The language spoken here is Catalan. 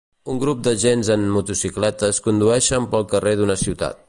Un grup d'agents en motocicletes condueixen pel carrer d'una ciutat.